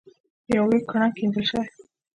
یو لوی کړنګ کیندل شوی.